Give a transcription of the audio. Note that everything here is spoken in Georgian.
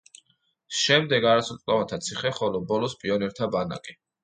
შემდეგ არასრულწლოვანთა ციხე, ხოლო ბოლოს პიონერთა ბანაკი.